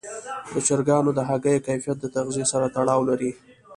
د چرګانو د هګیو کیفیت د تغذیې سره تړاو لري.